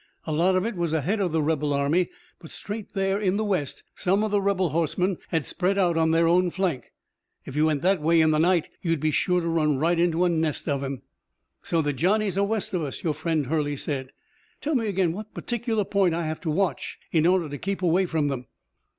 A lot of it was ahead of the rebel army, but straight there in the west some of the rebel horsemen had spread out on their own flank. If you went that way in the night you'd be sure to run right into a nest of 'em." "So the Johnnies are west of us, your friend Hurley said. Tell me again what particular point I have to watch in order to keep away from them."